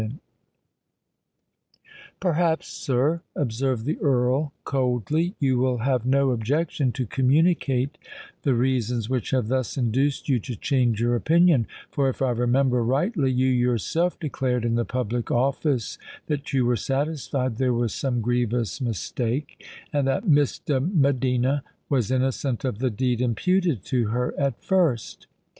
"Perhaps, sir," observed the Earl coldly, "you will have no objection to communicate the reasons which have thus induced you to change your opinion; for, if I remember rightly, you yourself declared, in the public office, that you were satisfied there was some grievous mistake, and that Miss de Medina was innocent of the deed imputed to her at first."